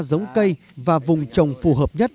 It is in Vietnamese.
giống cây và vùng trồng phù hợp nhất